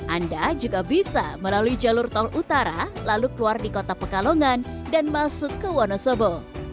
anda juga bisa melalui jalur tol utara lalu keluar di kota pekalongan dan masuk ke wonosobo